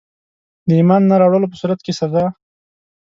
د ایمان نه راوړلو په صورت کي سزا.